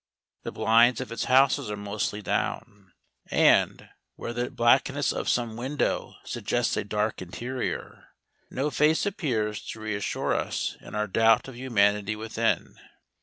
The blinds of its houses are mostly down, and, where the blackness of some window suggests a dark interior, no face appears to reassure us in our doubt of humanity within.